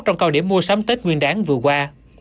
trong cao điểm mua sắm tết nguyên đáng vừa qua